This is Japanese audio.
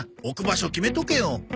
置く場所決めとけよ。